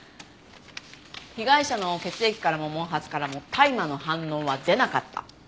被害者の血液からも毛髪からも大麻の反応は出なかった。